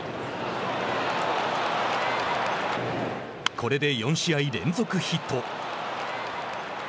これで４試合連続ヒット。